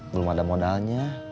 belum ada modalnya